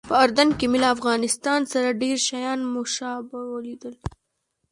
په اردن کې مې له افغانستان سره ډېر شیان مشابه ولیدل.